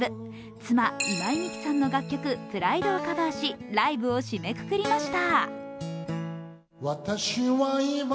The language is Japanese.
妻・今井美樹さんの楽曲「ＰＲＩＤＥ」をカバーしライブを締めくくりました。